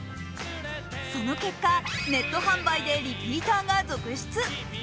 その結果、ネット販売でリピーターが続出。